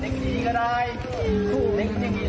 เขาไม่มีอย่างไง